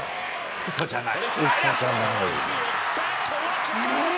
うそじゃない。